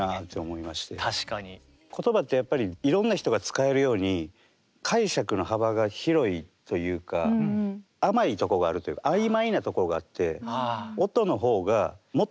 言葉ってやっぱりいろんな人が使えるように解釈の幅が広いというか甘いとこがあるというか曖昧なところがあって。